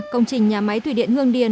công trình nhà máy thủy điện hương điền